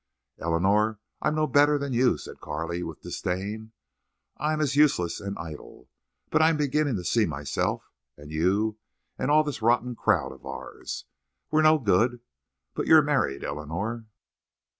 "Eleanor, I'm no better than you," said Carley, with disdain. "I'm as useless and idle. But I'm beginning to see myself—and you—and all this rotten crowd of ours. We're no good. But you're married, Eleanor.